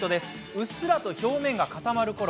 うっすらと表面が固まるころ